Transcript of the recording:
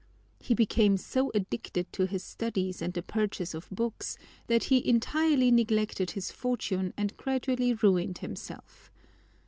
He became so addicted to his studies and the purchase of books, that he entirely neglected his fortune and gradually ruined himself.